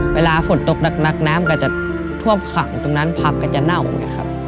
เวลาฝนตกนักน้ำก็จะท่วมขังตรงนั้นพับก็จะเหนาเนี่ยครับ